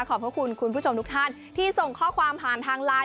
พระคุณคุณผู้ชมทุกท่านที่ส่งข้อความผ่านทางไลน์